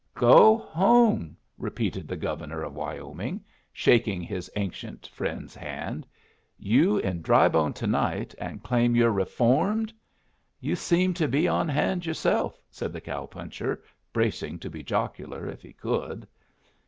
"Go home!" repeated the Governor of Wyoming, shaking his ancient friend's hand. "You in Drybone to night, and claim you're reformed? "Yu' seem to be on hand yourself," said the cow puncher, bracing to be jocular, if he could.